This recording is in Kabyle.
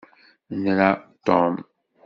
Nra Tom.